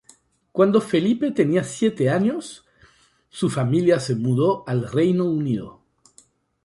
Cuando Felipe tenía siete años, su familia se mudó al Reino Unido.